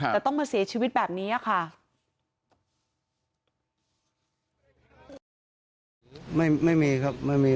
แต่ต้องมาเสียชีวิตแบบนี้ค่ะ